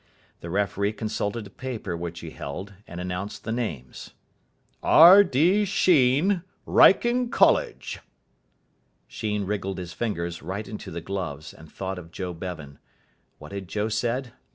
The referee consulted a paper which he held, and announced the names. "R. D. Sheen, Wrykyn College." Sheen wriggled his fingers right into the gloves, and thought of Joe Bevan. What had Joe said?